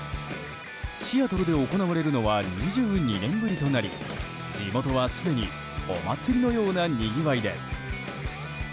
シアトルで行われるのは２２年ぶりとなり地元は、すでにお祭りのようなにぎわいです。